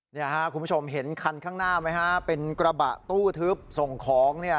คุณผู้ชมเห็นคันข้างหน้าไหมฮะเป็นกระบะตู้ทึบส่งของเนี่ย